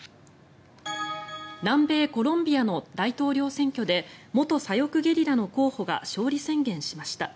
南米コロンビアの大統領選挙で元左翼ゲリラの候補が勝利宣言しました。